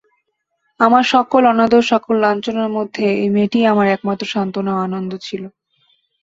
আমার সকল অনাদর সকল লাঞ্ছনার মধ্যে এই মেয়েটিই আমার একমাত্র সান্ত্বনা ও আনন্দ ছিল।